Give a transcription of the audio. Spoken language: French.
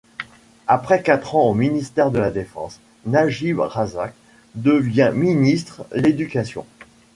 Après quatre ans au ministère de la Défense, Najib Razak devient ministre l'Éducation.